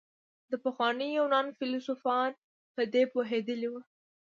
د پخواني يونان فيلسوفان په دې پوهېدلي وو.